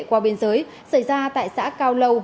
qua biên giới xảy ra tại xã cao lâu